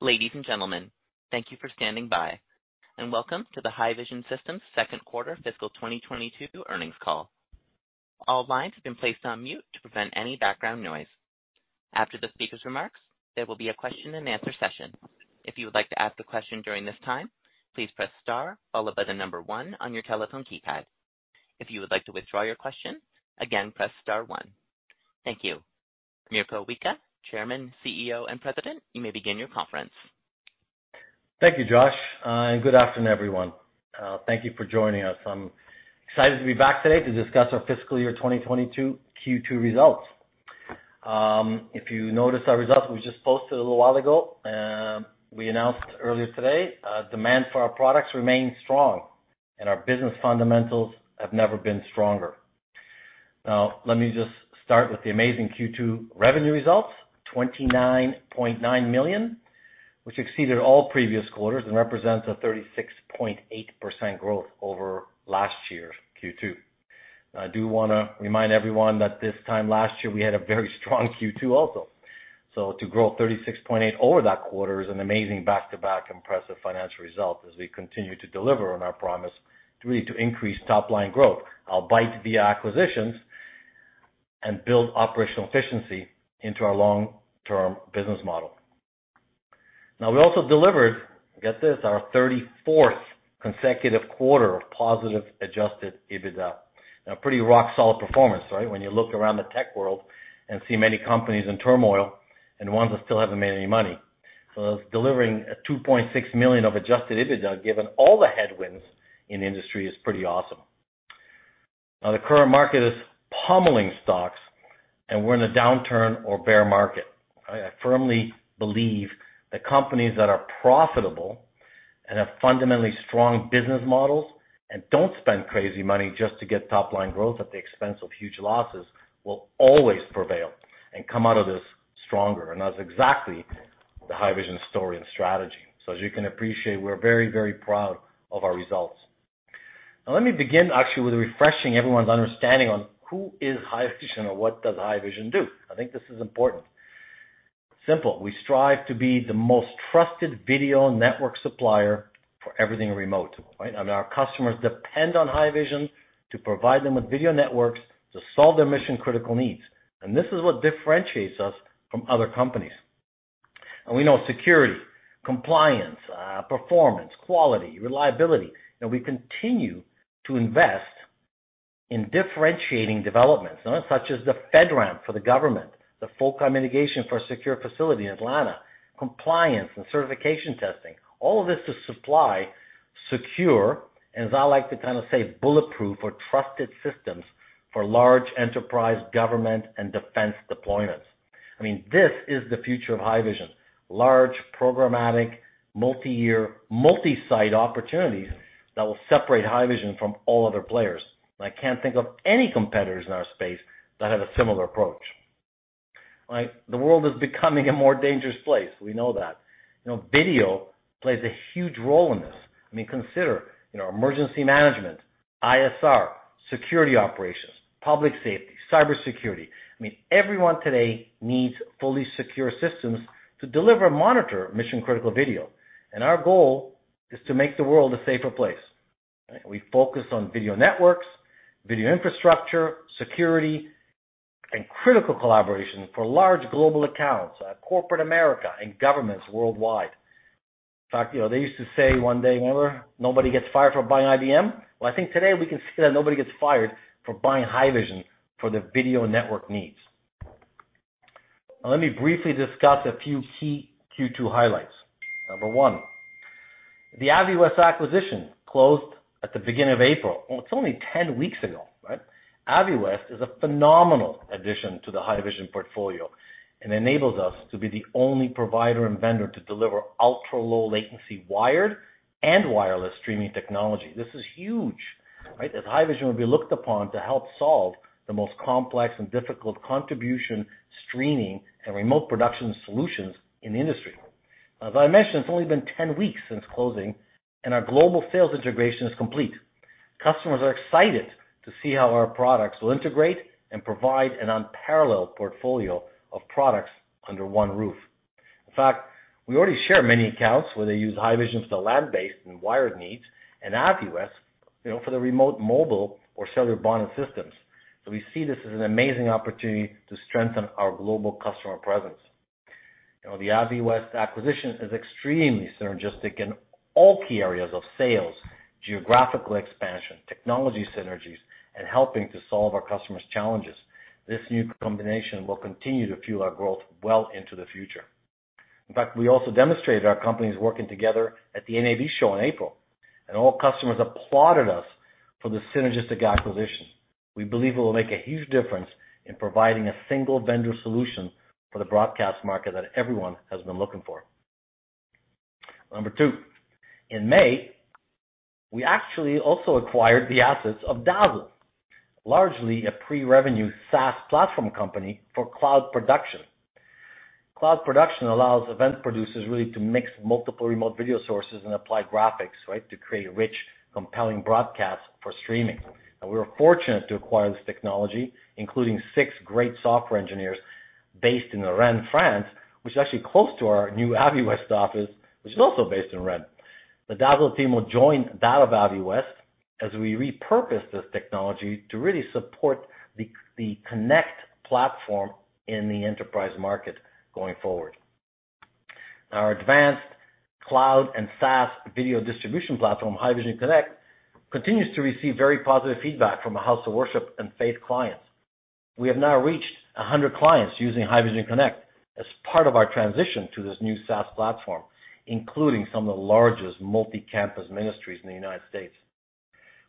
Ladies and gentlemen, thank you for standing by, and welcome to the Haivision Systems second quarter fiscal 2022 earnings call. All lines have been placed on mute to prevent any background noise. After the speaker's remarks, there will be a question and answer session. If you would like to ask a question during this time, please press star followed by the number one on your telephone keypad. If you would like to withdraw your question, again, press star one. Thank you. Mirko Wicha, Chairman, CEO, and President, you may begin your conference. Thank you, Josh, and good afternoon, everyone. Thank you for joining us. I'm excited to be back today to discuss our fiscal year 2022 Q2 results. If you notice our results we just posted a little while ago, we announced earlier today demand for our products remains strong and our business fundamentals have never been stronger. Now let me just start with the amazing Q2 revenue results, 29.9 million, which exceeded all previous quarters and represents a 36.8% growth over last year's Q2. I do wanna remind everyone that this time last year we had a very strong Q2 also. To grow 36.8% over that quarter is an amazing back-to-back impressive financial result as we continue to deliver on our promise really to increase top line growth albeit via acquisitions and build operational efficiency into our long-term business model. Now, we also delivered, get this, our 34th consecutive quarter of positive adjusted EBITDA. Now a pretty rock solid performance, right? When you look around the tech world and see many companies in turmoil and ones that still haven't made any money. Us delivering 2.6 million of adjusted EBITDA given all the headwinds in the industry is pretty awesome. Now the current market is pummeling stocks, and we're in a downturn or bear market. I firmly believe that companies that are profitable and have fundamentally strong business models and don't spend crazy money just to get top line growth at the expense of huge losses will always prevail and come out of this stronger. That's exactly the Haivision story and strategy. As you can appreciate, we're very, very proud of our results. Now let me begin actually with refreshing everyone's understanding on who is Haivision or what does Haivision do. I think this is important. Simple. We strive to be the most trusted video network supplier for everything remote, right? I mean, our customers depend on Haivision to provide them with video networks to solve their mission-critical needs. This is what differentiates us from other companies. We know security, compliance, performance, quality, reliability, and we continue to invest in differentiating developments, such as the FedRAMP for the government, the FOCI mitigation for secure facility in Atlanta, compliance and certification testing, all of this to supply secure, and as I like to kind of say, bulletproof or trusted systems for large enterprise government and defense deployments. I mean, this is the future of Haivision: large programmatic, multi-year, multi-site opportunities that will separate Haivision from all other players. I can't think of any competitors in our space that have a similar approach. Like, the world is becoming a more dangerous place. We know that. You know, video plays a huge role in this. I mean, consider, you know, emergency management, ISR, security operations, public safety, cybersecurity. I mean, everyone today needs fully secure systems to deliver and monitor mission-critical video. Our goal is to make the world a safer place. We focus on video networks, video infrastructure, security, and critical collaboration for large global accounts, corporate America and governments worldwide. In fact, you know, they used to say one day, well, nobody gets fired for buying IBM. Well, I think today we can say that nobody gets fired for buying Haivision for their video network needs. Now let me briefly discuss a few key Q2 highlights. Number one, the Aviwest acquisition closed at the beginning of April. Well, it's only 10 weeks ago, right? Aviwest is a phenomenal addition to the Haivision portfolio and enables us to be the only provider and vendor to deliver ultra-low latency wired and wireless streaming technology. This is huge, right? Haivision will be looked upon to help solve the most complex and difficult contribution streaming and remote production solutions in the industry. As I mentioned, it's only been 10 weeks since closing, and our global sales integration is complete. Customers are excited to see how our products will integrate and provide an unparalleled portfolio of products under one roof. In fact, we already share many accounts where they use Haivision for the land-based and wired needs and Aviwest, you know, for the remote mobile or cellular bonded systems. We see this as an amazing opportunity to strengthen our global customer presence. You know, the Aviwest acquisition is extremely synergistic in all key areas of sales, geographical expansion, technology synergies, and helping to solve our customers' challenges. This new combination will continue to fuel our growth well into the future. In fact, we also demonstrated our companies working together at the NAB Show in April, and all customers applauded us for the synergistic acquisition. We believe it will make a huge difference in providing a single vendor solution for the broadcast market that everyone has been looking for. Number two, in May, we actually also acquired the assets of Dazzl, largely a pre-revenue SaaS platform company for cloud production. Cloud production allows event producers really to mix multiple remote video sources and apply graphics, right, to create rich, compelling broadcasts for streaming. We were fortunate to acquire this technology, including six great software engineers based in Rennes, France, which is actually close to our new Aviwest office, which is also based in Rennes. The Dazzl team will join Aviwest as we repurpose this technology to really support the Connect platform in the enterprise market going forward. Our advanced cloud and SaaS video distribution platform, Haivision Connect, continues to receive very positive feedback from the house of worship and faith clients. We have now reached 100 clients using Haivision Connect as part of our transition to this new SaaS platform, including some of the largest multi-campus ministries in the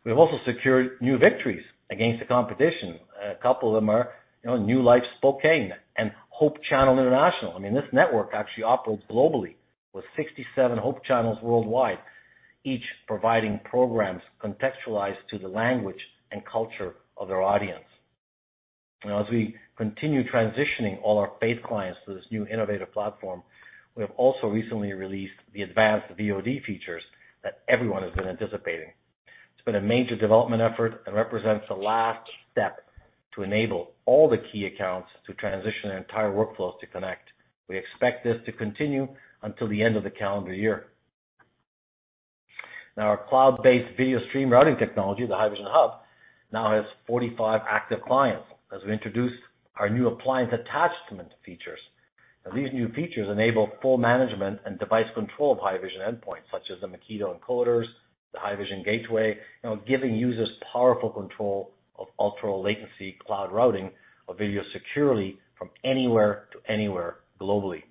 United States. We have also secured new victories against the competition. A couple of them are, you know, New Life Spokane and Hope Channel International. I mean, this network actually operates globally with 67 Hope Channels worldwide, each providing programs contextualized to the language and culture of their audience. Now, as we continue transitioning all our faith clients to this new innovative platform, we have also recently released the advanced VOD features that everyone has been anticipating. It's been a major development effort and represents the last step to enable all the key accounts to transition their entire workflows to Connect. We expect this to continue until the end of the calendar year. Now, our cloud-based video stream routing technology, the Haivision Hub, now has 45 active clients as we introduce our new appliance attachment features. Now, these new features enable full management and device control of Haivision endpoints such as the Makito encoders, the Haivision Gateway, you know, giving users powerful control of ultra-low latency cloud routing of video securely from anywhere to anywhere globally.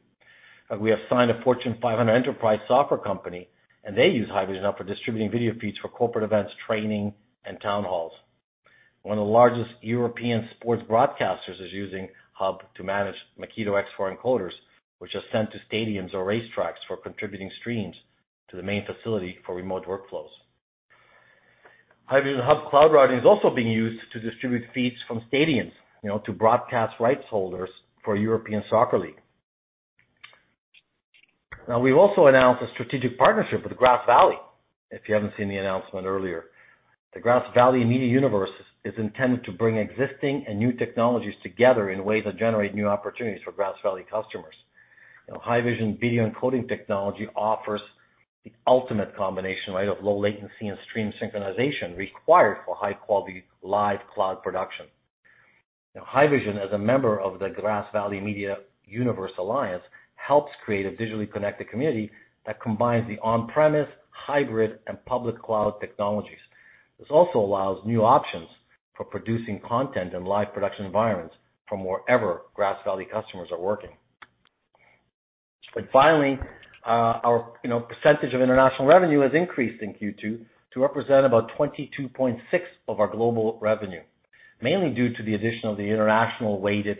We have signed a Fortune 500 enterprise software company, and they use Haivision Hub for distributing video feeds for corporate events, training, and town halls. One of the largest European sports broadcasters is using Hub to manage Makito X4 encoders, which are sent to stadiums or racetracks for contributing streams to the main facility for remote workflows. Haivision Hub cloud routing is also being used to distribute feeds from stadiums, you know, to broadcast rights holders for European soccer league. Now, we've also announced a strategic partnership with Grass Valley, if you haven't seen the announcement earlier. The Grass Valley Media Universe is intended to bring existing and new technologies together in ways that generate new opportunities for Grass Valley customers. You know, Haivision video encoding technology offers the ultimate combination, right, of low latency and stream synchronization required for high-quality live cloud production. Now, Haivision, as a member of the Grass Valley Media Universe Alliance, helps create a digitally connected community that combines the on-premise, hybrid, and public cloud technologies. This also allows new options for producing content in live production environments from wherever Grass Valley customers are working. Finally, our percentage of international revenue has increased in Q2 to represent about 22.6% of our global revenue, mainly due to the addition of the international weighted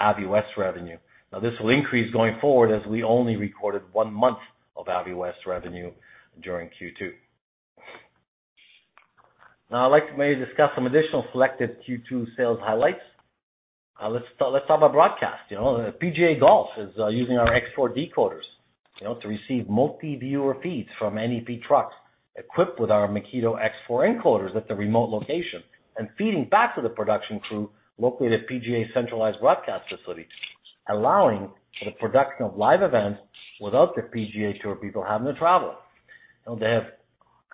Aviwest revenue. Now, this will increase going forward as we only recorded one month of Aviwest revenue during Q2. Now, I'd like to maybe discuss some additional selected Q2 sales highlights. Let's talk about broadcast. You know, PGA Tour is using our X4 decoders, you know, to receive multi-viewer feeds from NEP trucks equipped with our Makito X4 encoders at the remote location and feeding back to the production crew located at PGA centralized broadcast facility, allowing for the production of live events without the PGA Tour people having to travel. You know, they have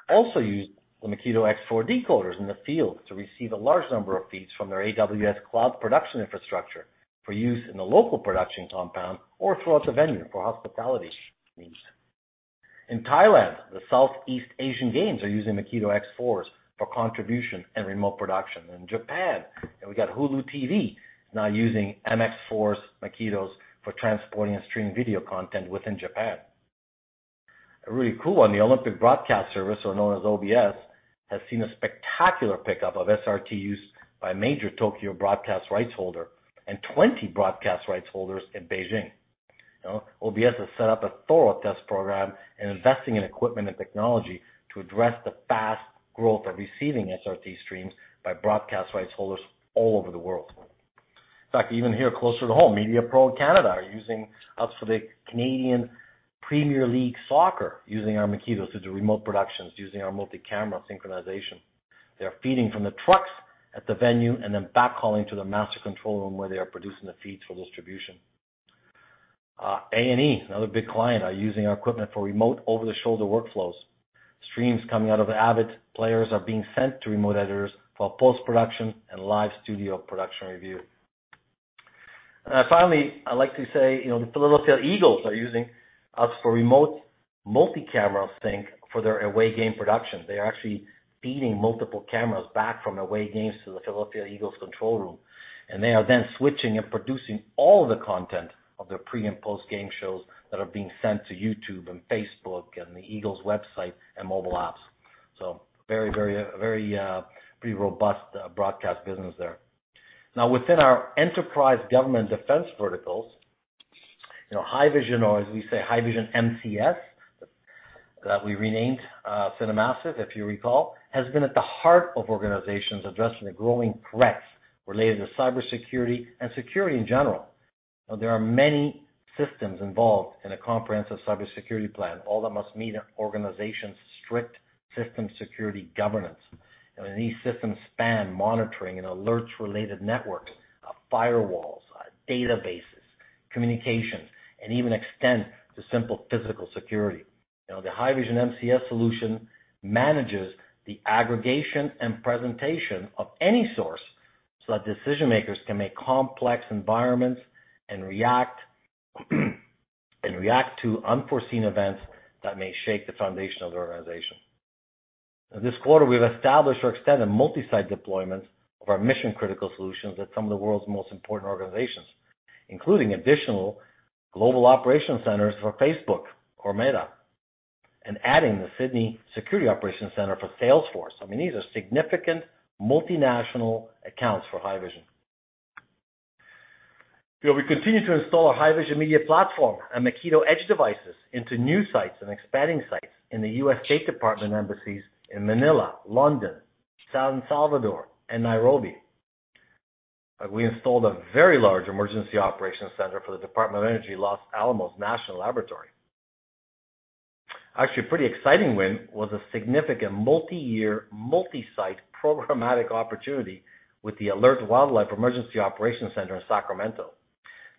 also used the Makito X4 decoders in the field to receive a large number of feeds from their AWS cloud production infrastructure for use in the local production compound or throughout the venue for hospitality needs. In Thailand, the Southeast Asian Games are using Makito X4s for contribution and remote production. In Japan, we got Hulu Japan now using MX4 Makitos for transporting and streaming video content within Japan. A really cool one, the Olympic Broadcasting Services, or known as OBS, has seen a spectacular pickup of SRT used by a major Tokyo broadcast rights holder and 20 broadcast rights holders in Beijing. You know, OBS has set up a thorough test program and investing in equipment and technology to address the fast growth of receiving SRT streams by broadcast rights holders all over the world. In fact, even here closer to home, MEDIAPRO Canada are using us for the Canadian Premier League soccer, using our Makito to do remote productions using our multi-camera synchronization. They are feeding from the trucks at the venue and then backhauling to the master control room where they are producing the feeds for distribution. A&E, another big client, are using our equipment for remote over-the-shoulder workflows. Streams coming out of Avid players are being sent to remote editors for post-production and live studio production review. I'd like to say, you know, the Philadelphia Eagles are using us for remote multi-camera sync for their away game production. They are actually feeding multiple cameras back from away games to the Philadelphia Eagles control room, and they are then switching and producing all the content of their pre and post-game shows that are being sent to YouTube and Facebook and the Eagles website and mobile apps. Very pretty robust broadcast business there. Now within our enterprise government defense verticals, you know, Haivision, or as we say, Haivision MCS, that we renamed CineMassive, if you recall, has been at the heart of organizations addressing the growing threats related to cybersecurity and security in general. Now, there are many systems involved in a comprehensive cybersecurity plan, all that must meet an organization's strict system security governance. These systems span monitoring and alerts related networks, firewalls, databases, communications, and even extend to simple physical security. Now, the Haivision MCS solution manages the aggregation and presentation of any source, so that decision-makers can make complex environments and react to unforeseen events that may shake the foundation of the organization. Now, this quarter, we've established or extended multi-site deployments of our mission-critical solutions at some of the world's most important organizations, including additional global operation centers for Facebook or Meta, and adding the Sydney Security Operations Center for Salesforce. I mean, these are significant multinational accounts for Haivision. You know, we continue to install our Haivision Media Platform and Makito Edge devices into new sites and expanding sites in the U.S. Department of State embassies in Manila, London, San Salvador, and Nairobi. We installed a very large emergency operations center for the U.S. Department of Energy, Los Alamos National Laboratory. Actually, a pretty exciting win was a significant multi-year, multi-site programmatic opportunity with the ALERT Wildfire Emergency Operations Center in Sacramento.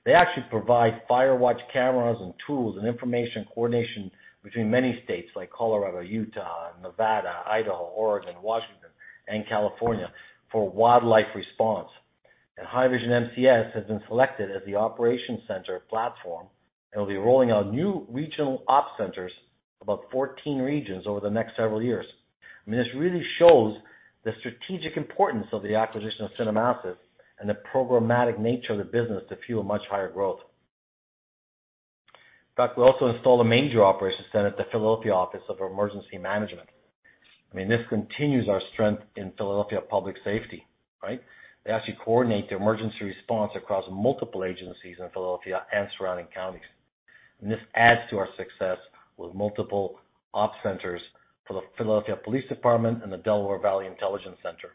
They actually provide fire watch cameras and tools and information coordination between many states like Colorado, Utah, Nevada, Idaho, Oregon, Washington, and California for wildfire response. Haivision MCS has been selected as the operation center platform, and will be rolling out new regional op centers, about 14 regions over the next several years. I mean, this really shows the strategic importance of the acquisition of CineMassive and the programmatic nature of the business to fuel much higher growth. In fact, we also installed a major operations center at the Philadelphia Office of Emergency Management. I mean, this continues our strength in Philadelphia public safety, right? They actually coordinate the emergency response across multiple agencies in Philadelphia and surrounding counties. This adds to our success with multiple op centers for the Philadelphia Police Department and the Delaware Valley Intelligence Center.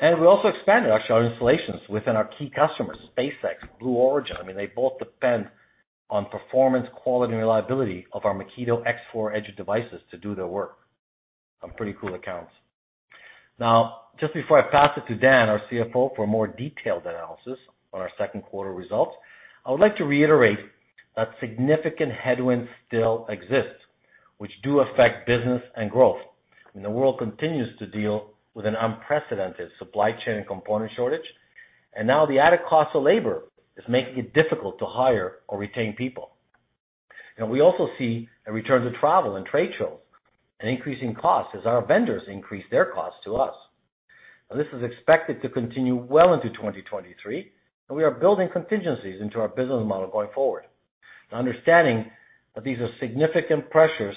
We also expanded actually our installations within our key customers, SpaceX, Blue Origin. I mean, they both depend on performance, quality, and reliability of our Makito X4 Edge devices to do their work on pretty cool accounts. Now, just before I pass it to Dan, our CFO, for a more detailed analysis on our second quarter results, I would like to reiterate that significant headwinds still exist, which do affect business and growth. I mean, the world continues to deal with an unprecedented supply chain and component shortage, and now the added cost of labor is making it difficult to hire or retain people. Now, we also see a return to travel and trade shows and increasing costs as our vendors increase their costs to us. This is expected to continue well into 2023, and we are building contingencies into our business model going forward. Understanding that these are significant pressures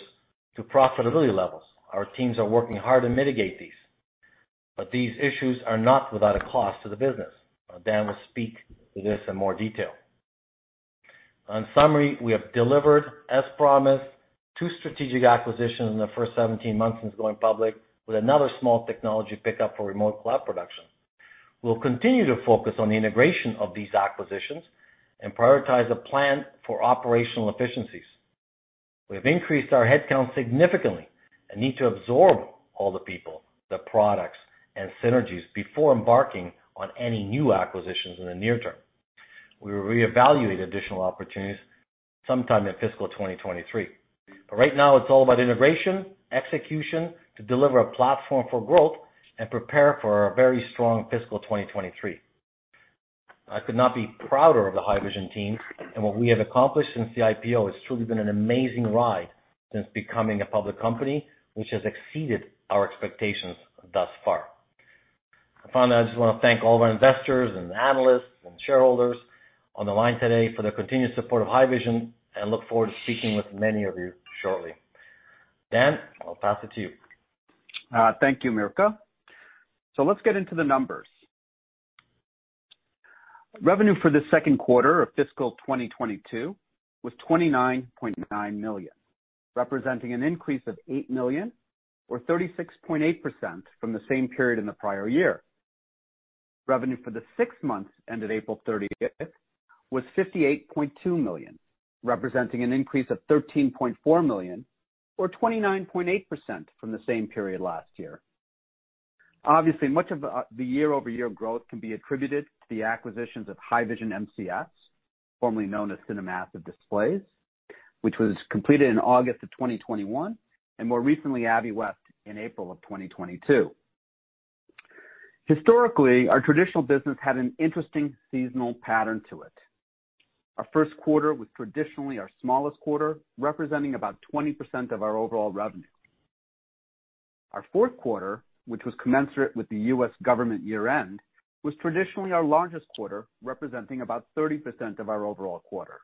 to profitability levels, our teams are working hard to mitigate these. These issues are not without a cost to the business. Dan will speak to this in more detail. In summary, we have delivered, as promised, two strategic acquisitions in the first 17 months since going public with another small technology pickup for remote cloud production. We'll continue to focus on the integration of these acquisitions and prioritize a plan for operational efficiencies. We've increased our headcount significantly, and need to absorb all the people, the products, and synergies before embarking on any new acquisitions in the near term. We will reevaluate additional opportunities sometime in fiscal 2023. Right now, it's all about integration, execution to deliver a platform for growth and prepare for a very strong fiscal 2023. I could not be prouder of the Haivision team and what we have accomplished since the IPO. It's truly been an amazing ride since becoming a public company, which has exceeded our expectations thus far. Finally, I just wanna thank all of our investors and analysts and shareholders on the line today for their continued support of Haivision and look forward to speaking with many of you shortly. Dan, I'll pass it to you. Thank you, Mirko. Let's get into the numbers. Revenue for the second quarter of fiscal 2022 was 29.9 million, representing an increase of 8 million or 36.8% from the same period in the prior year. Revenue for the six months ended April 30th was 58.2 million, representing an increase of 13.4 million or 29.8% from the same period last year. Obviously, much of the year-over-year growth can be attributed to the acquisitions of Haivision MCS, formerly known as CineMassive Displays, which was completed in August of 2021, and more recently Aviwest in April of 2022. Historically, our traditional business had an interesting seasonal pattern to it. Our first quarter was traditionally our smallest quarter, representing about 20% of our overall revenue. Our fourth quarter, which was commensurate with the U.S. government year-end, was traditionally our largest quarter, representing about 30% of our overall quarter.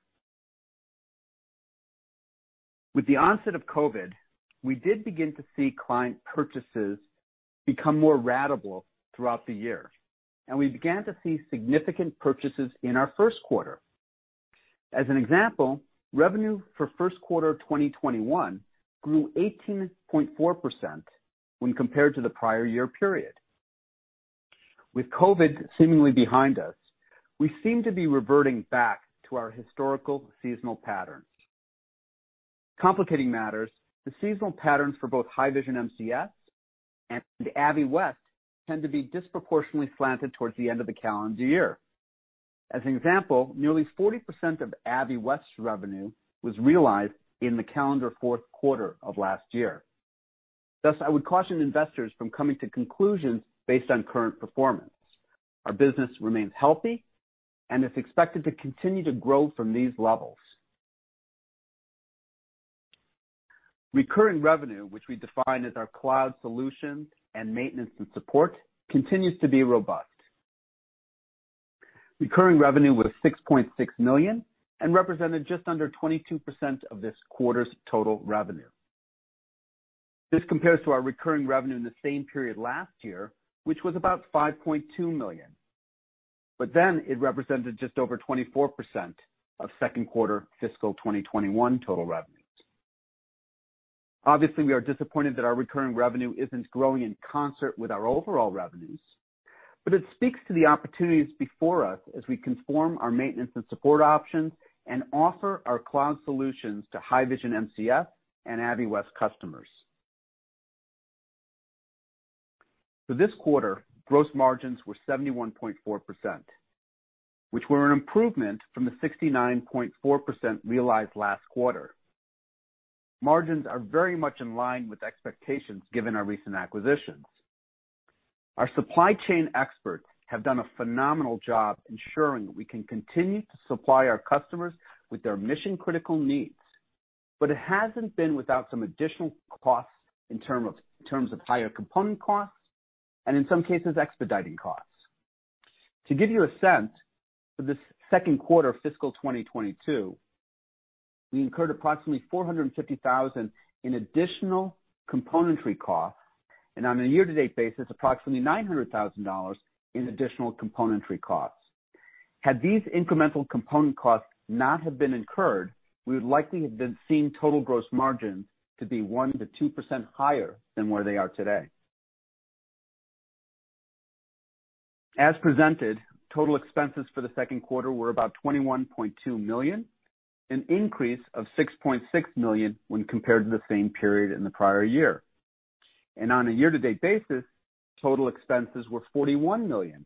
With the onset of COVID, we did begin to see client purchases become more ratable throughout the year, and we began to see significant purchases in our first quarter. As an example, revenue for first quarter 2021 grew 18.4% when compared to the prior year period. With COVID seemingly behind us, we seem to be reverting back to our historical seasonal patterns. Complicating matters, the seasonal patterns for both Haivision MCS and Aviwest tend to be disproportionately slanted towards the end of the calendar year. As an example, nearly 40% of Aviwest's revenue was realized in the calendar fourth quarter of last year. Thus, I would caution investors from coming to conclusions based on current performance. Our business remains healthy and is expected to continue to grow from these levels. Recurring revenue, which we define as our cloud solutions and maintenance and support, continues to be robust. Recurring revenue was 6.6 million and represented just under 22% of this quarter's total revenue. This compares to our recurring revenue in the same period last year, which was about 5.2 million. It represented just over 24% of second quarter fiscal 2021 total revenues. Obviously, we are disappointed that our recurring revenue isn't growing in concert with our overall revenues, but it speaks to the opportunities before us as we conform our maintenance and support options and offer our cloud solutions to Haivision MCS and Aviwest customers. For this quarter, gross margins were 71.4%, which were an improvement from the 69.4% realized last quarter. Margins are very much in line with expectations given our recent acquisitions. Our supply chain experts have done a phenomenal job ensuring that we can continue to supply our customers with their mission-critical needs. It hasn't been without some additional costs in terms of higher component costs and in some cases, expediting costs. To give you a sense, for this second quarter of fiscal 2022, we incurred approximately $450,000 in additional componentry costs, and on a year-to-date basis, approximately $900,000 in additional componentry costs. Had these incremental component costs not have been incurred, we would likely have been seeing total gross margins to be 1%-2% higher than where they are today. As presented, total expenses for the second quarter were about 21.2 million, an increase of 6.6 million when compared to the same period in the prior year. On a year-to-date basis, total expenses were 41 million,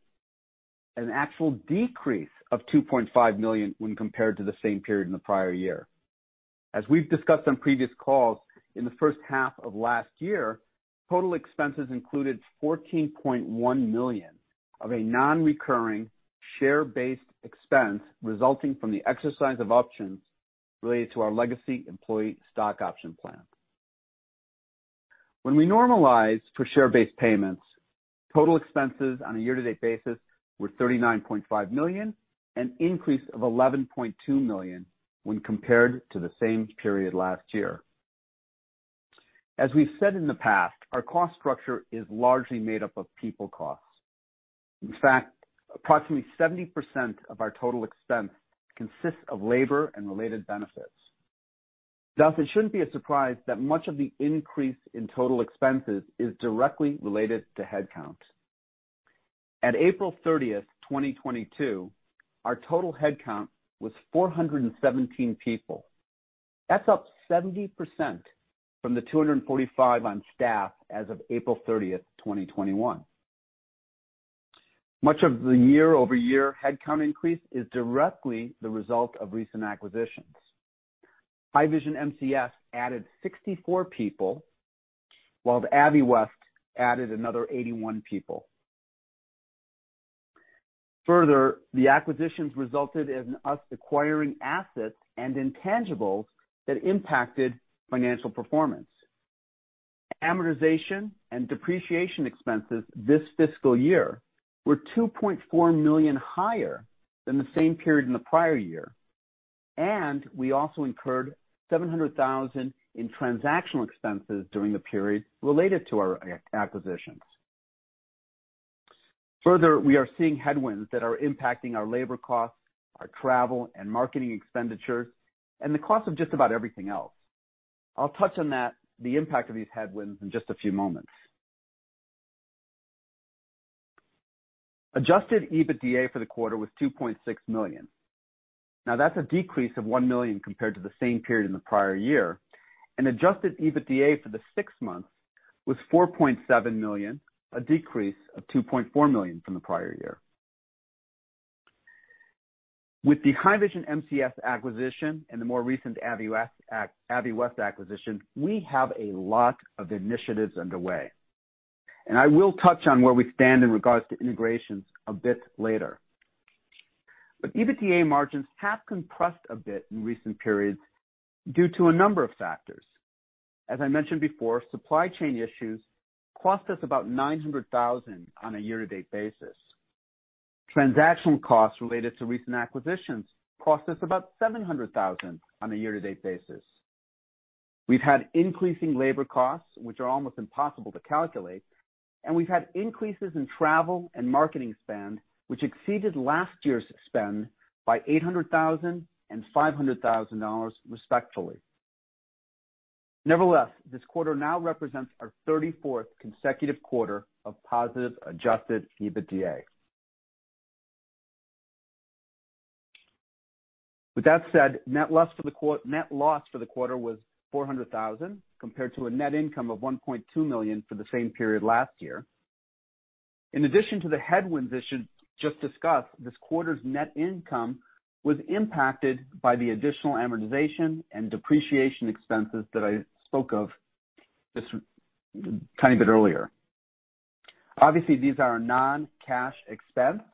an actual decrease of 2.5 million when compared to the same period in the prior year. As we've discussed on previous calls, in the first half of last year, total expenses included 14.1 million of a non-recurring share-based expense resulting from the exercise of options related to our legacy employee stock option plan. When we normalize for share-based payments, total expenses on a year-to-date basis were 39.5 million, an increase of 11.2 million when compared to the same period last year. As we've said in the past, our cost structure is largely made up of people costs. In fact, approximately 70% of our total expense consists of labor and related benefits. Thus, it shouldn't be a surprise that much of the increase in total expenses is directly related to headcount. At April 30th, 2022, our total headcount was 417 people. That's up 70% from the 245 on staff as of April 30th, 2021. Much of the year-over-year headcount increase is directly the result of recent acquisitions. Haivision MCS added 64 people, while the Aviwest added another 81 people. Further, the acquisitions resulted in us acquiring assets and intangibles that impacted financial performance. Amortization and depreciation expenses this fiscal year were 2.4 million higher than the same period in the prior year. We also incurred 700,000 in transactional expenses during the period related to our acquisitions. Further, we are seeing headwinds that are impacting our labor costs, our travel and marketing expenditures, and the cost of just about everything else. I'll touch on that, the impact of these headwinds in just a few moments. Adjusted EBITDA for the quarter was 2.6 million. Now, that's a decrease of 1 million compared to the same period in the prior year. Adjusted EBITDA for the six months was 4.7 million, a decrease of 2.4 million from the prior year. With the Haivision MCS acquisition and the more recent Aviwest acquisition, we have a lot of initiatives underway. I will touch on where we stand in regards to integrations a bit later. EBITDA margins have compressed a bit in recent periods due to a number of factors. As I mentioned before, supply chain issues cost us about 900,000 on a year-to-date basis. Transaction costs related to recent acquisitions cost us about 700,000 on a year-to-date basis. We've had increasing labor costs, which are almost impossible to calculate, and we've had increases in travel and marketing spend, which exceeded last year's spend by $800,000 and $500,000, respectively. Nevertheless, this quarter now represents our 34th consecutive quarter of positive adjusted EBITDA. With that said, net loss for the quarter was 400,000, compared to a net income of 1.2 million for the same period last year. In addition to the headwinds issues just discussed, this quarter's net income was impacted by the additional amortization and depreciation expenses that I spoke of a tiny bit earlier. Obviously, these are non-cash expenses,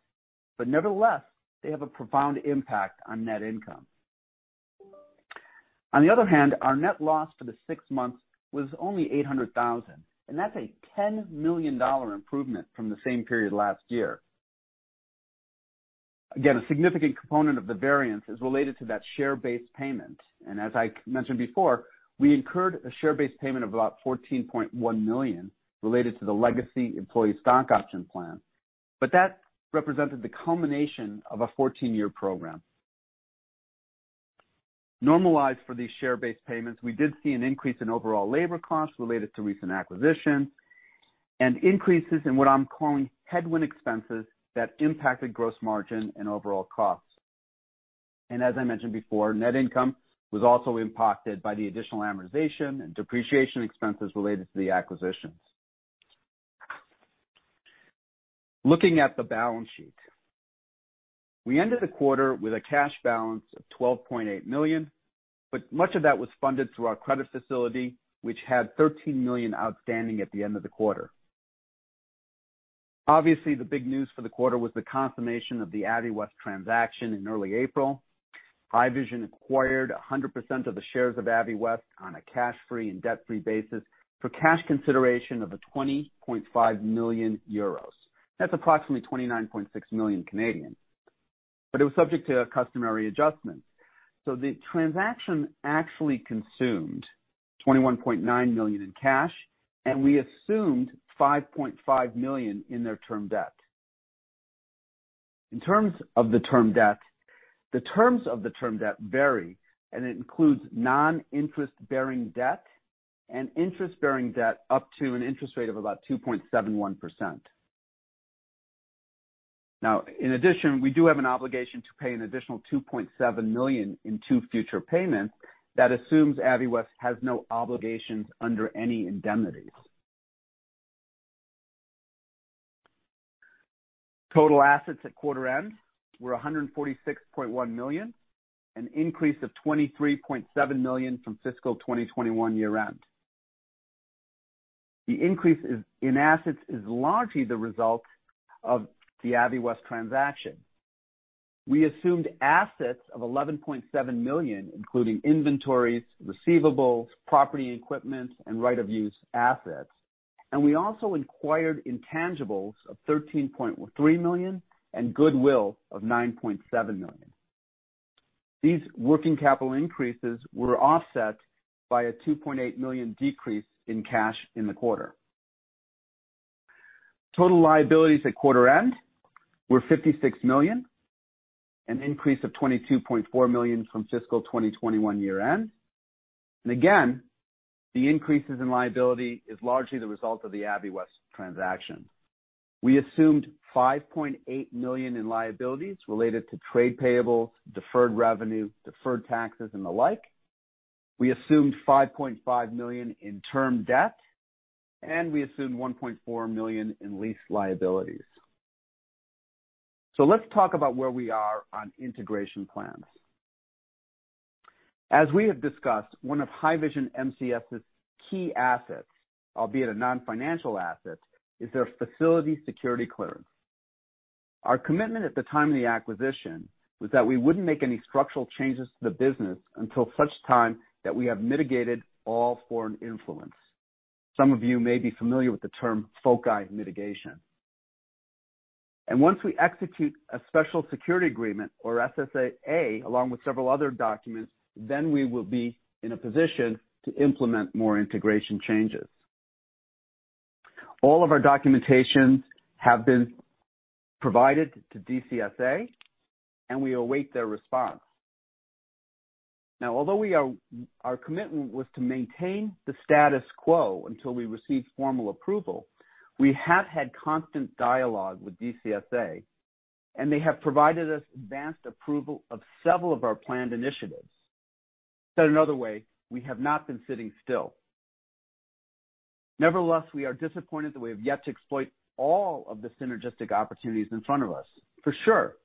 but nevertheless, they have a profound impact on net income. On the other hand, our net loss for the six months was only 800,000, and that's a 10 million dollar improvement from the same period last year. Again, a significant component of the variance is related to that share-based payment. As I mentioned before, we incurred a share-based payment of about CAD 14.1 million related to the legacy employee stock option plan. That represented the culmination of a 14-year program. Normalized for these share-based payments, we did see an increase in overall labor costs related to recent acquisitions and increases in what I'm calling headwind expenses that impacted gross margin and overall costs. As I mentioned before, net income was also impacted by the additional amortization and depreciation expenses related to the acquisitions. Looking at the balance sheet. We ended the quarter with a cash balance of 12.8 million, but much of that was funded through our credit facility, which had 13 million outstanding at the end of the quarter. Obviously, the big news for the quarter was the confirmation of the Aviwest transaction in early April. Haivision acquired 100% of the shares of Aviwest on a cash-free and debt-free basis for cash consideration of 20.5 million euros. That's approximately 29.6 million. It was subject to customary adjustments. The transaction actually consumed 21.9 million in cash, and we assumed 5.5 million in their term debt. In terms of the term debt, the terms of the term debt vary, and it includes non-interest bearing debt and interest bearing debt up to an interest rate of about 2.71%. Now, in addition, we do have an obligation to pay an additional 2.7 million in two future payments. That assumes Aviwest has no obligations under any indemnities. Total assets at quarter end were CAD 146.1 million, an increase of CAD 23.7 million from fiscal 2021 year end. The increase in assets is largely the result of the Aviwest transaction. We assumed assets of 11.7 million, including inventories, receivables, property, equipment, and right-of-use assets. We also acquired intangibles of 13.3 million and goodwill of 9.7 million. These working capital increases were offset by a 2.8 million decrease in cash in the quarter. Total liabilities at quarter end were 56 million, an increase of 22.4 million from fiscal 2021 year end. Again, the increases in liability is largely the result of the Aviwest transaction. We assumed 5.8 million in liabilities related to trade payables, deferred revenue, deferred taxes and the like. We assumed 5.5 million in term debt, and we assumed 1.4 million in lease liabilities. Let's talk about where we are on integration plans. As we have discussed, one of Haivision MCS's key assets, albeit a non-financial asset, is their facility security clearance. Our commitment at the time of the acquisition was that we wouldn't make any structural changes to the business until such time that we have mitigated all foreign influence. Some of you may be familiar with the term FOCI mitigation. Once we execute a special security agreement or SSA along with several other documents, then we will be in a position to implement more integration changes. All of our documentations have been provided to DCSA, and we await their response. Now, although our commitment was to maintain the status quo until we received formal approval, we have had constant dialogue with DCSA, and they have provided us advanced approval of several of our planned initiatives. Said another way, we have not been sitting still. Nevertheless, we are disappointed that we have yet to exploit all of the synergistic opportunities in front of us, for sure.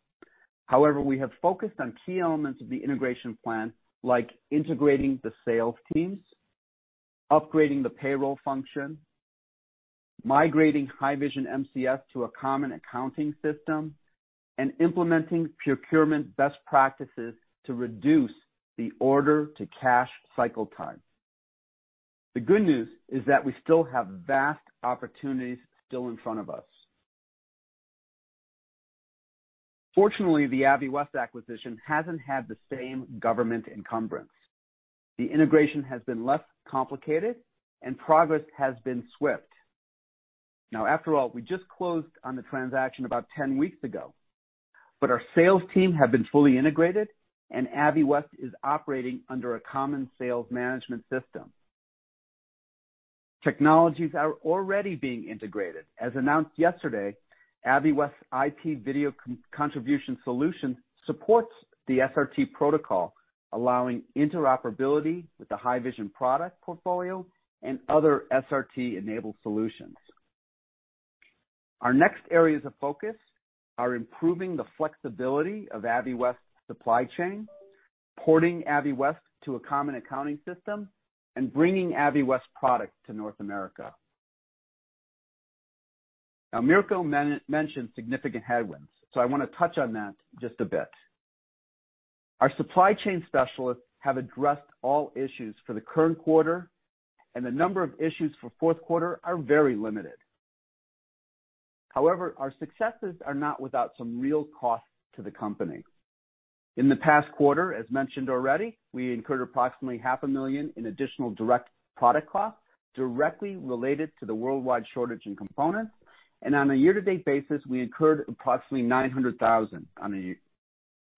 However, we have focused on key elements of the integration plan, like integrating the sales teams, upgrading the payroll function, migrating Haivision MCS to a common accounting system, and implementing procurement best practices to reduce the order-to-cash cycle time. The good news is that we still have vast opportunities still in front of us. Fortunately, the Aviwest acquisition hasn't had the same government encumbrance. The integration has been less complicated and progress has been swift. Now, after all, we just closed on the transaction about 10 weeks ago, but our sales team have been fully integrated and Aviwest is operating under a common sales management system. Technologies are already being integrated. As announced yesterday, Aviwest's IP video contribution solution supports the SRT protocol, allowing interoperability with the Haivision product portfolio and other SRT-enabled solutions. Our next areas of focus are improving the flexibility of Aviwest's supply chain, porting Aviwest to a common accounting system, and bringing Aviwest products to North America. Now, Mirko mentioned significant headwinds, so I wanna touch on that just a bit. Our supply chain specialists have addressed all issues for the current quarter, and the number of issues for fourth quarter are very limited. However, our successes are not without some real costs to the company. In the past quarter, as mentioned already, we incurred approximately 500,000 in additional direct product costs directly related to the worldwide shortage in components, and on a year-to-date basis, we incurred approximately 900,000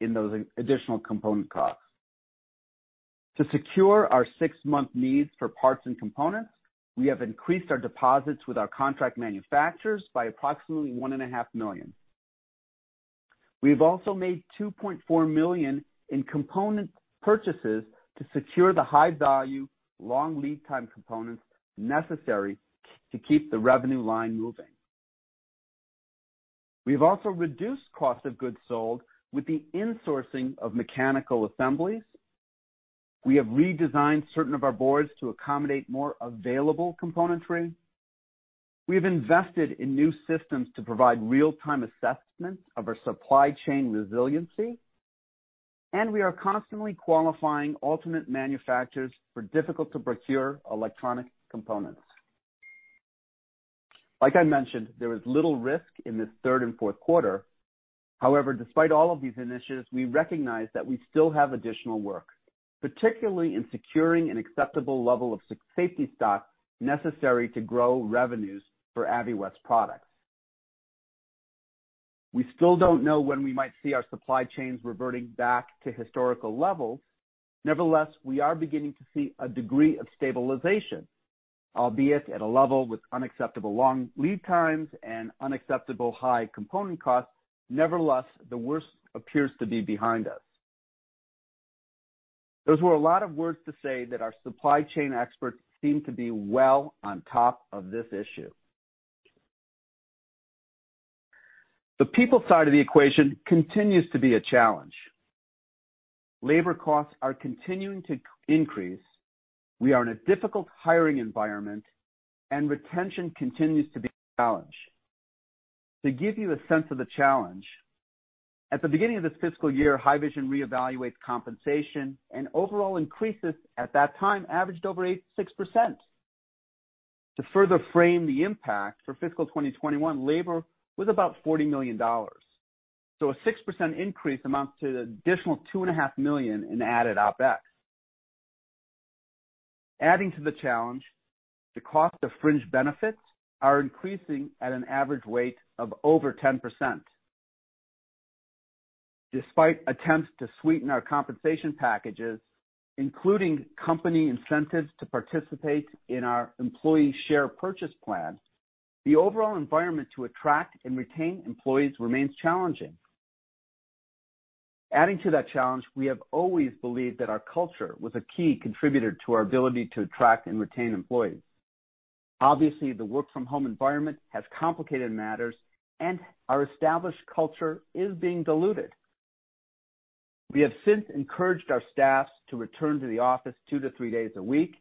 in those additional component costs. To secure our six-month needs for parts and components, we have increased our deposits with our contract manufacturers by approximately 1.5 million. We've also made 2.4 million in component purchases to secure the high-value, long lead time components necessary to keep the revenue line moving. We've also reduced cost of goods sold with the insourcing of mechanical assemblies. We have redesigned certain of our boards to accommodate more available componentry. We have invested in new systems to provide real-time assessments of our supply chain resiliency, and we are constantly qualifying alternate manufacturers for difficult-to-procure electronic components. Like I mentioned, there is little risk in this third and fourth quarter. However, despite all of these initiatives, we recognize that we still have additional work, particularly in securing an acceptable level of safety stock necessary to grow revenues for Aviwest products. We still don't know when we might see our supply chains reverting back to historical levels. Nevertheless, we are beginning to see a degree of stabilization, albeit at a level with unacceptable long lead times and unacceptable high component costs. Nevertheless, the worst appears to be behind us. Those were a lot of words to say that our supply chain experts seem to be well on top of this issue. The people side of the equation continues to be a challenge. Labor costs are continuing to increase. We are in a difficult hiring environment, and retention continues to be a challenge. To give you a sense of the challenge, at the beginning of this fiscal year, Haivision reevaluates compensation, and overall increases at that time averaged over 6%. To further frame the impact, for fiscal 2021, labor was about $40 million. A 6% increase amounts to an additional $2.5 million in added OpEx. Adding to the challenge, the cost of fringe benefits are increasing at an average rate of over 10%. Despite attempts to sweeten our compensation packages, including company incentives to participate in our employee share purchase plan, the overall environment to attract and retain employees remains challenging. Adding to that challenge, we have always believed that our culture was a key contributor to our ability to attract and retain employees. Obviously, the work-from-home environment has complicated matters, and our established culture is being diluted. We have since encouraged our staffs to return to the office two to three days a week.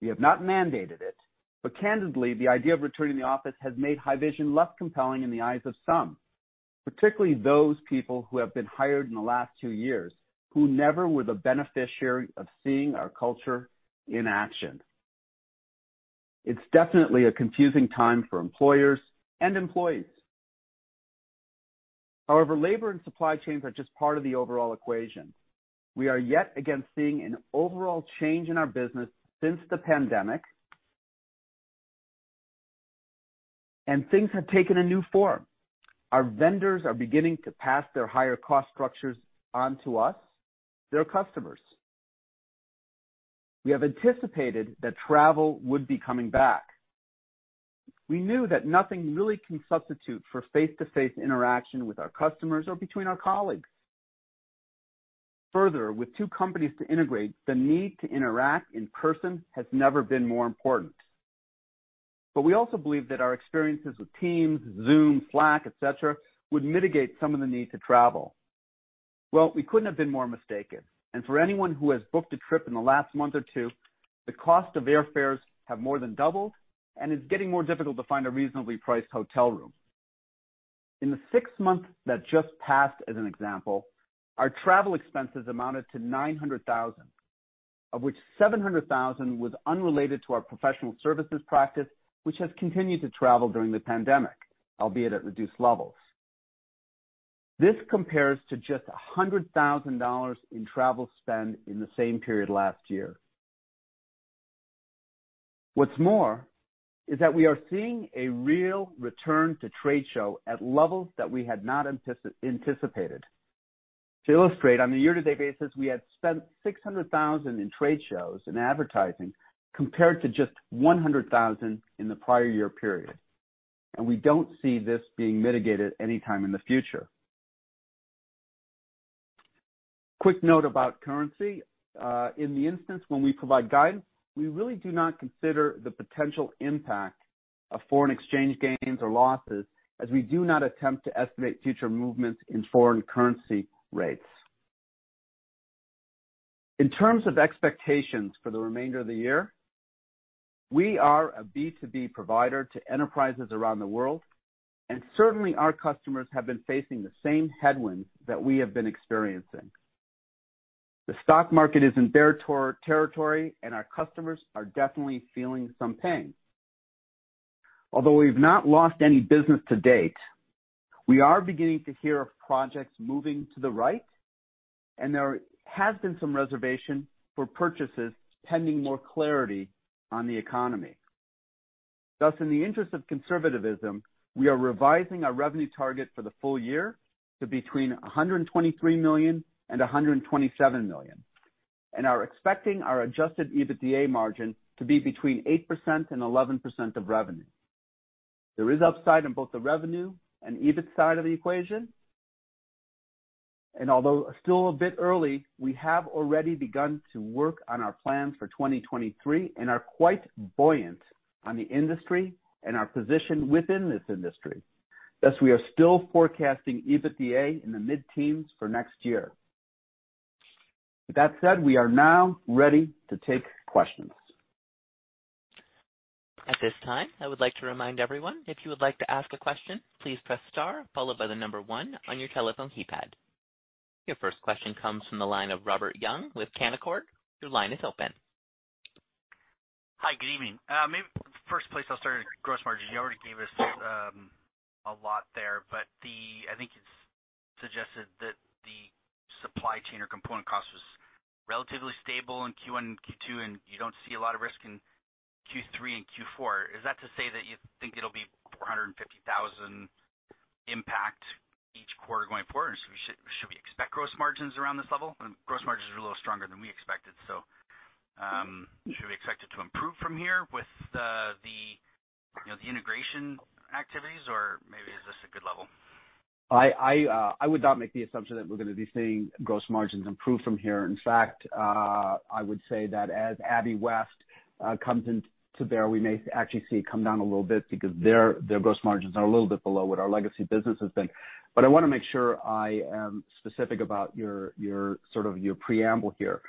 We have not mandated it, but candidly, the idea of returning to the office has made Haivision less compelling in the eyes of some, particularly those people who have been hired in the last two years, who never were the beneficiary of seeing our culture in action. It's definitely a confusing time for employers and employees. However, labor and supply chains are just part of the overall equation. We are yet again seeing an overall change in our business since the pandemic, and things have taken a new form. Our vendors are beginning to pass their higher cost structures on to us, their customers. We have anticipated that travel would be coming back. We knew that nothing really can substitute for face-to-face interaction with our customers or between our colleagues. Further, with two companies to integrate, the need to interact in person has never been more important. We also believe that our experiences with Teams, Zoom, Slack, et cetera, would mitigate some of the need to travel. Well, we couldn't have been more mistaken. For anyone who has booked a trip in the last month or two, the cost of airfares have more than doubled and it's getting more difficult to find a reasonably priced hotel room. In the six months that just passed, as an example, our travel expenses amounted to 900,000, of which 700,000 was unrelated to our professional services practice, which has continued to travel during the pandemic, albeit at reduced levels. This compares to just $100,000 in travel spend in the same period last year. What's more is that we are seeing a real return to trade shows at levels that we had not anticipated. To illustrate, on a year-to-date basis, we had spent 600,000 in trade shows and advertising compared to just 100,000 in the prior year period. We don't see this being mitigated anytime in the future. Quick note about currency. In the instance when we provide guidance, we really do not consider the potential impact of foreign exchange gains or losses as we do not attempt to estimate future movements in foreign currency rates. In terms of expectations for the remainder of the year, we are a B2B provider to enterprises around the world, and certainly our customers have been facing the same headwinds that we have been experiencing. The stock market is in bear territory, and our customers are definitely feeling some pain. Although we've not lost any business to date, we are beginning to hear of projects moving to the right, and there has been some reservation for purchases pending more clarity on the economy. Thus, in the interest of conservativism, we are revising our revenue target for the full year to between 123 million and 127 million, and are expecting our adjusted EBITDA margin to be between 8% and 11% of revenue. There is upside in both the revenue and EBIT side of the equation. Although still a bit early, we have already begun to work on our plans for 2023 and are quite buoyant on the industry and our position within this industry. Thus, we are still forecasting EBITDA in the mid-teens for next year. With that said, we are now ready to take questions. At this time, I would like to remind everyone, if you would like to ask a question, please press star followed by the number one on your telephone keypad. Your first question comes from the line of Robert Young with Canaccord Genuity. Your line is open. Hi, good evening. Maybe first place I'll start at gross margin. You already gave us a lot there, but I think it's suggested that the supply chain or component cost was relatively stable in Q1 and Q2, and you don't see a lot of risk in Q3 and Q4. Is that to say that you think it'll be 450,000 impact each quarter going forward? Or should we expect gross margins around this level? Gross margins are a little stronger than we expected, so should we expect it to improve from here with the you know the integration activities or maybe is this a good level? I would not make the assumption that we're gonna be seeing gross margins improve from here. In fact, I would say that as Aviwest comes on board, we may actually see it come down a little bit because their gross margins are a little bit below what our legacy businesses think. I wanna make sure I am specific about your sort of your preamble here.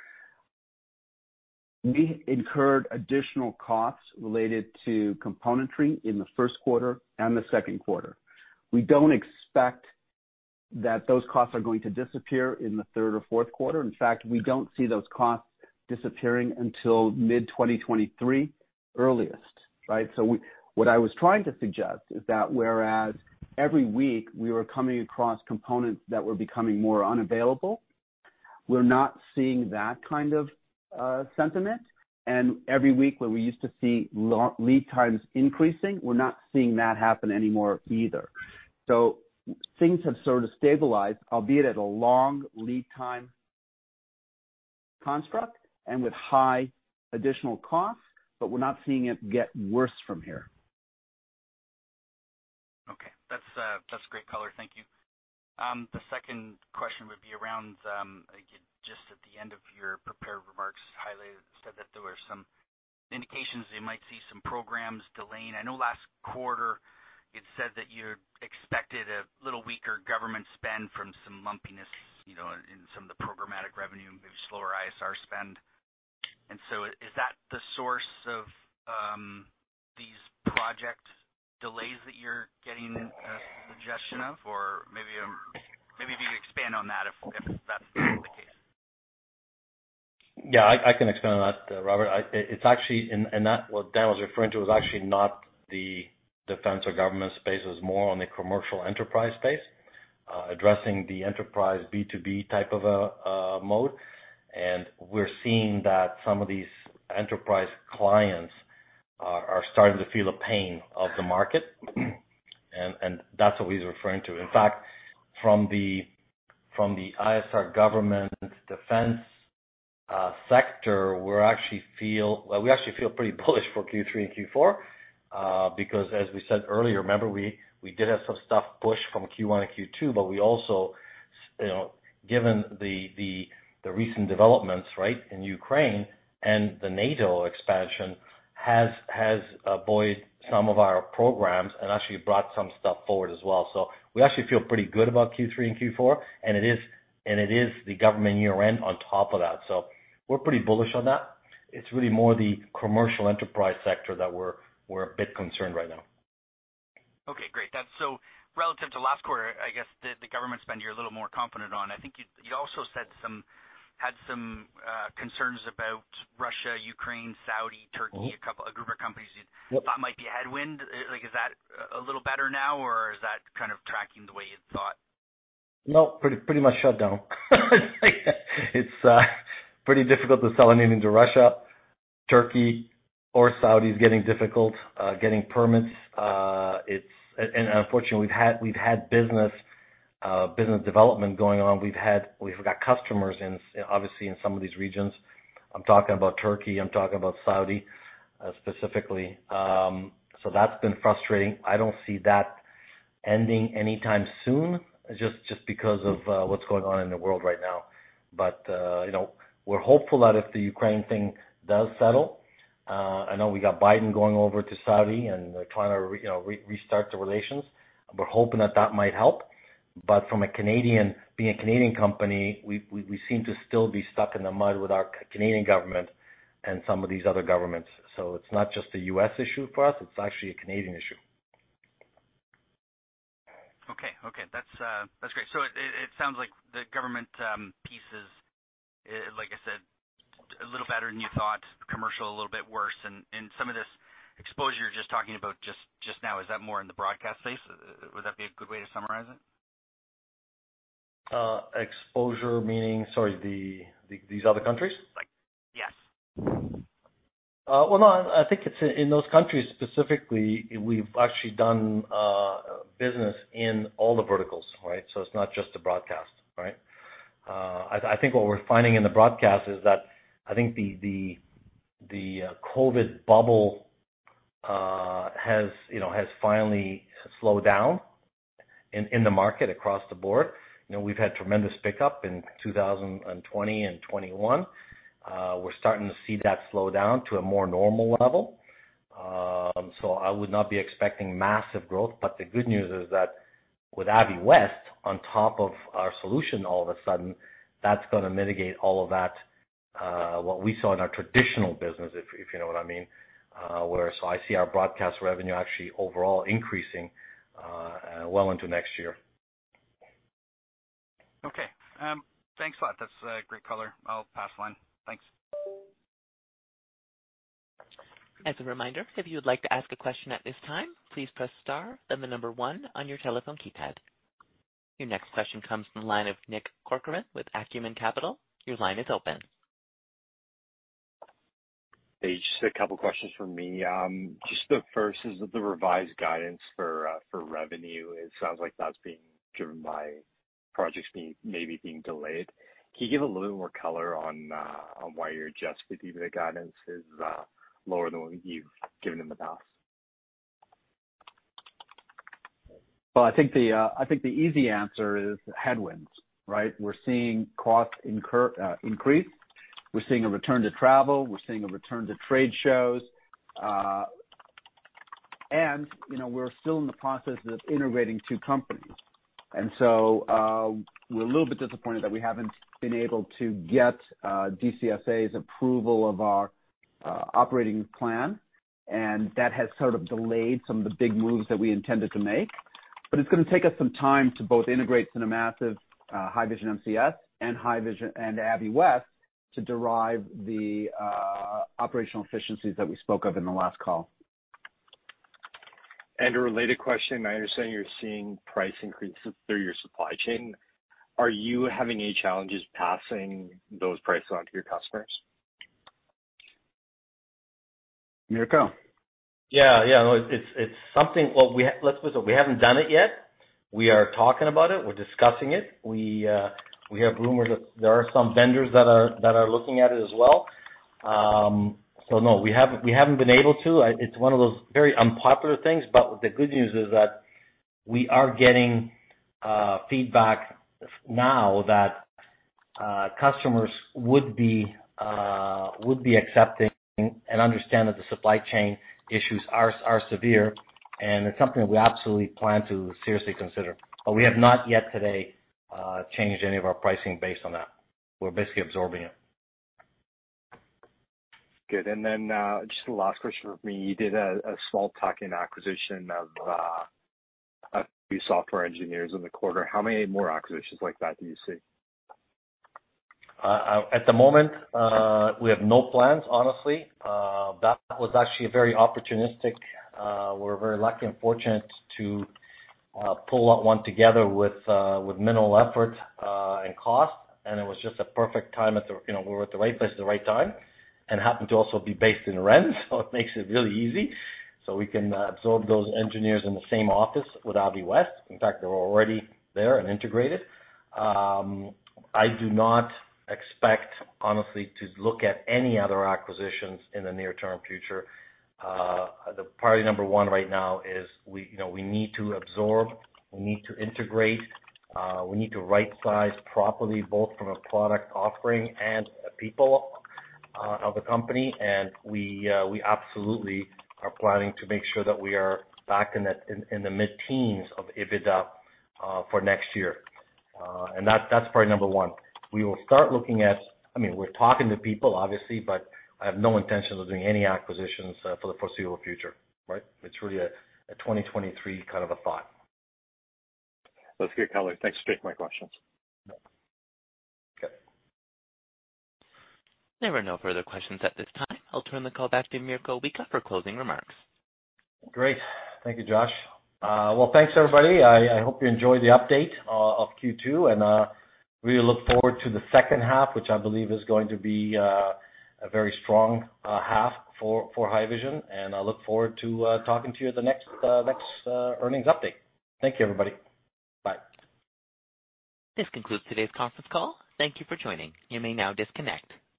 We incurred additional costs related to componentry in the first quarter and the second quarter. We don't expect that those costs are going to disappear in the third or fourth quarter. In fact, we don't see those costs disappearing until mid-2023 earliest, right? What I was trying to suggest is that whereas every week we were coming across components that were becoming more unavailable, we're not seeing that kind of sentiment. Every week where we used to see long-lead times increasing, we're not seeing that happen anymore either. Things have sort of stabilized, albeit at a long lead time construct and with high additional costs, but we're not seeing it get worse from here. That's great color. Thank you. The second question would be around I think you just at the end of your prepared remarks highlighted, said that there were some indications that you might see some programs delaying. I know last quarter it said that you expected a little weaker government spend from some lumpiness, you know, in some of the programmatic revenue, maybe slower ISR spend. Is that the source of these project delays that you're getting a suggestion of? Or maybe if you could expand on that if that's the case. Yeah, I can expand on that, Robert. What Dan was referring to was actually not the defense or government space. It was more on the commercial enterprise space, addressing the enterprise B2B type of a mode. We're seeing that some of these enterprise clients are starting to feel the pain of the market, and that's what he's referring to. In fact, from the ISR government defense sector, we actually feel pretty bullish for Q3 and Q4, because as we said earlier, remember we did have some stuff pushed from Q1 and Q2, but we also you know, given the recent developments, right, in Ukraine and the NATO expansion has buoyed some of our programs and actually brought some stuff forward as well. We actually feel pretty good about Q3 and Q4, and it is the government year-end on top of that. We're pretty bullish on that. It's really more the commercial enterprise sector that we're a bit concerned right now. Okay, great. That's so relative to last quarter, I guess the government spend you're a little more confident on. I think you also had some concerns about Russia, Ukraine, Saudi, Turkey, a group of companies you thought might be a headwind. Like, is that a little better now, or is that kind of tracking the way you thought? No, pretty much shut down. It's pretty difficult to sell anything to Russia. Turkey or Saudi is getting difficult getting permits. Unfortunately, we've had business development going on. We've got customers in, obviously, in some of these regions. I'm talking about Turkey, I'm talking about Saudi specifically. That's been frustrating. I don't see that ending anytime soon just because of what's going on in the world right now. You know, we're hopeful that if the Ukraine thing does settle, I know we got Biden going over to Saudi and trying to, you know, restart the relations. We're hoping that that might help. Being a Canadian company, we seem to still be stuck in the mud with our Canadian government and some of these other governments. It's not just a U.S. issue for us, it's actually a Canadian issue. Okay. Okay. That's great. It sounds like the government piece, like I said, a little better than you thought. Commercial, a little bit worse. Some of this exposure just talking about just now, is that more in the broadcast space? Would that be a good way to summarize it? Exposure meaning... Sorry, these other countries? Like... Yes. No, I think it's in those countries specifically, we've actually done business in all the verticals, right? It's not just the broadcast, right? I think what we're finding in the broadcast is that I think the COVID bubble has, you know, finally slowed down in the market across the board. You know, we've had tremendous pickup in 2020 and 2021. We're starting to see that slow down to a more normal level. I would not be expecting massive growth. The good news is that with Aviwest on top of our solution, all of a sudden, that's gonna mitigate all of that, what we saw in our traditional business, if you know what I mean. Whereas I see our broadcast revenue actually overall increasing, well into next year. Okay. Thanks a lot. That's great color. I'll pass the line. Thanks. As a reminder, if you would like to ask a question at this time, please press star, then the number one on your telephone keypad. Your next question comes from the line of Nick Corcoran with Acumen Capital. Your line is open. Hey, just a couple of questions from me. Just the first is the revised guidance for revenue. It sounds like that's being driven by projects being delayed. Can you give a little more color on why your adjusted EBITDA guidance is lower than what you've given in the past? Well, I think the easy answer is headwinds, right? We're seeing costs increase. We're seeing a return to travel, we're seeing a return to trade shows, and you know, we're still in the process of integrating two companies. We're a little bit disappointed that we haven't been able to get DCSA's approval of our operating plan, and that has sort of delayed some of the big moves that we intended to make. It's gonna take us some time to both integrate CineMassive, Haivision MCS and Haivision and Aviwest to derive the operational efficiencies that we spoke of in the last call. A related question, I understand you're seeing price increases through your supply chain. Are you having any challenges passing those prices on to your customers? Mirko? Yeah. No, it's something. Well, let's put it this way, we haven't done it yet. We are talking about it. We're discussing it. We have rumors that there are some vendors that are looking at it as well. No, we haven't been able to. It's one of those very unpopular things. The good news is that we are getting feedback now that customers would be accepting and understand that the supply chain issues are severe, and it's something that we absolutely plan to seriously consider. We have not yet today changed any of our pricing based on that. We're basically absorbing it. Good. Just the last question from me. You did a small tuck-in acquisition of a few software engineers in the quarter. How many more acquisitions like that do you see? At the moment, we have no plans, honestly. That was actually a very opportunistic. We're very lucky and fortunate to pull that one together with minimal effort and cost. It was just a perfect time. You know, we were at the right place at the right time and happened to also be based in Rennes, so it makes it really easy. We can absorb those engineers in the same office with Aviwest. In fact, they're already there and integrated. I do not expect honestly to look at any other acquisitions in the near-term future. The priority number one right now is we, you know, we need to absorb, we need to integrate, we need to right-size properly, both from a product offering and the people of the company. We absolutely are planning to make sure that we are back in the mid-teens of EBITDA for next year. That's priority number one. We will start looking at, I mean, we're talking to people obviously, but I have no intention of doing any acquisitions for the foreseeable future, right? It's really a 2023 kind of a thought. Those are great colors. Thanks for taking my questions. Yeah. Okay. There are no further questions at this time. I'll turn the call back to Mirko Wicha for closing remarks. Great. Thank you, Josh. Well, thanks, everybody. I hope you enjoyed the update of Q2, and really look forward to the second half, which I believe is going to be a very strong half for Haivision, and I look forward to talking to you at the next earnings update. Thank you, everybody. Bye. This concludes today's conference call. Thank you for joining. You may now disconnect.